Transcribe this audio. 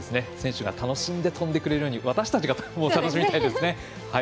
選手が楽しんで飛んでくれるように私たちも楽しみたいですね。